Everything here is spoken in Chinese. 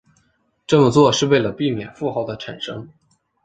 这么做是为了避免负号的产生。